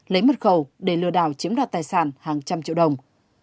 lấy mật khẩu để lừa đảo chiếm đoạt tài sản hàng trăm triệu đồng